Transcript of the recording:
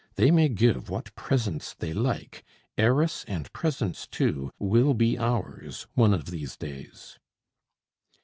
They may give what presents they like; heiress and presents too will be ours one of these days."